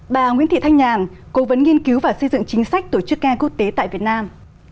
bà nguyễn thị thanh nhàn cố vấn nghiên cứu và xây dựng chính sách tổ chức care quốc tế tại việt nam